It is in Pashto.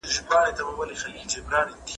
د هیلیو له کشپ سره دوستي سوه